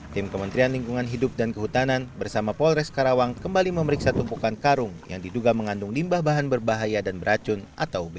tim kementerian lingkungan hidup dan kehutanan bersama polres karawang kembali memeriksa tumpukan karung yang diduga mengandung limbah bahan berbahaya dan beracun atau b